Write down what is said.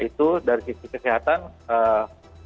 kemudian kita ingin memastikan bahwa tidak ada penyakit